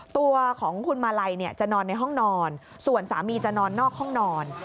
ตัวของคุณมาลัยจะนอนในห้องนอนส่วนสามีจะนอนนอกห้องนอน